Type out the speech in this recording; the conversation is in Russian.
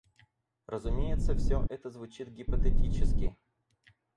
Разумеется, все это звучит гипотетически.